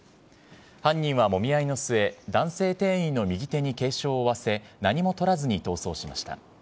犯人はもみ合いの末、男性店員の右手に軽傷を負わせ、何も取らずに逃走しました。